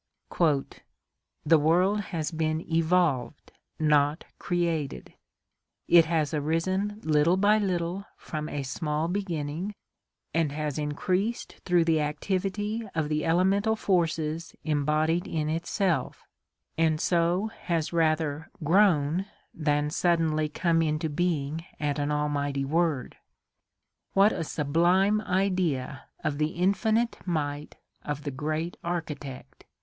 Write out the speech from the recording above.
16 ORGANIC EVOLUTION "The world has been evolved, not created; it has arisen little by little from a small beginning, and has increased through the activity of the elemental forces embodied in itself, and so has rather grown than suddenly come into being at an almighty word. What a sublime idea of the infinite might of the great Architect!